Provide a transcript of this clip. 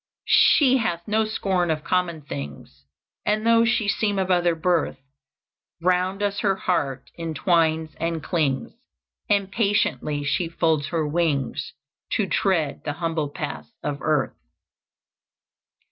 "She hath no scorn of common things, And, though she seem of other birth, Round us her heart entwines and clings, And patiently she folds her wings To tread the humble paths of earth.